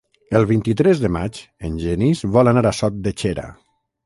El vint-i-tres de maig en Genís vol anar a Sot de Xera.